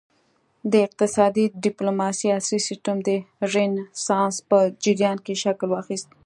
د اقتصادي ډیپلوماسي عصري سیسټم د رینسانس په جریان کې شکل واخیست